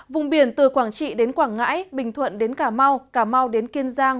vùng biển từ quảng trị đến quảng ngãi bình thuận đến cà mau cà mau đến kiên giang